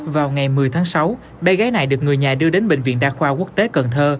vào ngày một mươi tháng sáu bé gái này được người nhà đưa đến bệnh viện đa khoa quốc tế cần thơ